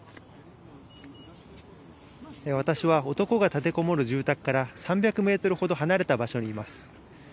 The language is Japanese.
私は、男が立てこもる住宅から３００メートルほど離れた場所にいます。